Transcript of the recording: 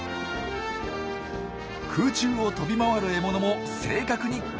空中を飛び回る獲物も正確にキャッチ。